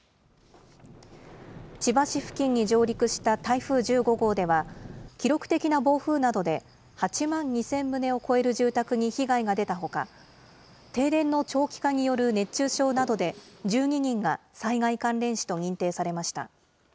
千葉市付近に上陸した台風１５号では、記録的な暴風などで８万２０００棟を超える住宅に被害が出たほか、停電の長期化による熱中症などで、１２人が災害関連死と認定されました。